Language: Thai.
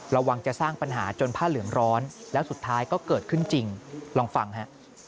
ระวังจะสร้างปัญหาจนผ้าเหลืองร้อนแล้วสุดท้ายก็เกิดขึ้นจริงลองฟังฮะ